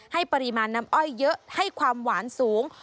ปริมาณน้ำอ้อยเยอะให้ความหวานสูง